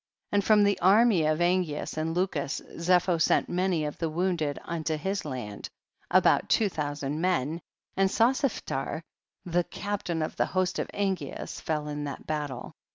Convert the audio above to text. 32. And from the army of Angeas and Lucus Zepho sent many of the wounded unto }iis land, about two thousand men, and Sosiphtar the captain of the host of Angeas fell in that battle.